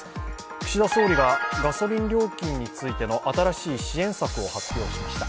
岸田総理がガソリン料金についての新しい支援策を発表しました。